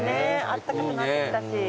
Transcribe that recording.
あったかくなってきたし。